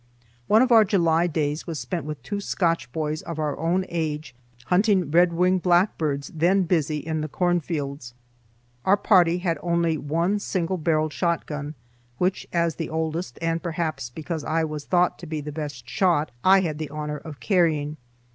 One of our July days was spent with two Scotch boys of our own age hunting redwing blackbirds then busy in the corn fields. Our party had only one single barreled shotgun, which, as the oldest and perhaps because I was thought to be the best shot, I had the honor of carrying.